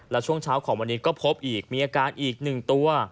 และช่วงเช้าของวันนี้ก็พบอีกมีอาการอีก๑ตัว